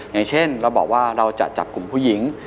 อย่างเช่นเราบอกว่าเราจะจับกลุ่มผู้หญิง